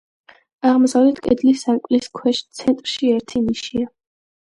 აღმოსავლეთ კედლის სარკმლის ქვეშ, ცენტრში ერთი ნიშია.